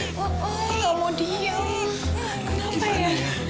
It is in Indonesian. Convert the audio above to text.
enggak mau diem kenapa ya